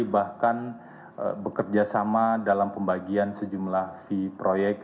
bahkan bekerja sama dalam pembagian sejumlah fee proyek